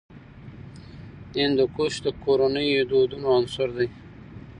هندوکش د کورنیو د دودونو عنصر دی.